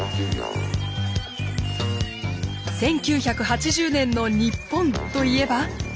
１９８０年の日本といえば。